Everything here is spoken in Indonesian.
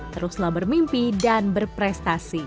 teruslah bermimpi dan berprestasi